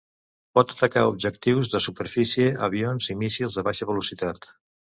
Pot atacar objectius de superfície, avions i míssils de baixa velocitat.